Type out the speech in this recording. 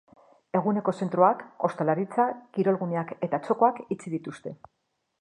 Eguneko zentroak, hostalaritza, kirolguneak eta txokoak itxi dituzte.